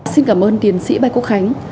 xin cảm ơn tiến sĩ bạch quốc khánh